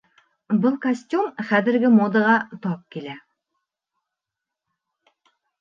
Был костюм хәҙерге модаға тап килә